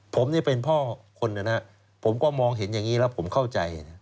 ผมนี่เป็นพ่อคนนะนะผมก็มองเห็นอย่างนี้แล้วผมเข้าใจนะ